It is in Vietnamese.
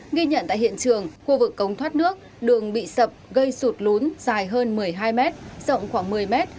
nghi nhận tại hiện trường khu vực cống thoát nước đường bị sập gây sụt lún dài hơn một mươi hai mét rộng khoảng một mươi mét